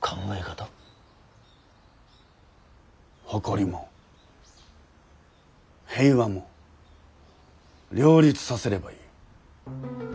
誇りも平和も両立させればいい。